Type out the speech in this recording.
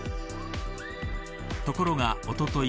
ところがおととい